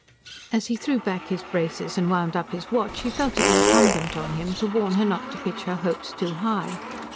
As he threw back his braces and wound up his watch, he felt it incumbent on him to warn her not to pitch her hopes too high.